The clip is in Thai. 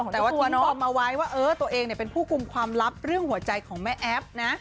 แต่ว่าตอนนี้บอมเอาไว้ว่าตัวเองเป็นผู้กลุ่มความลับเรื่องหัวใจของแม่แอฟนะ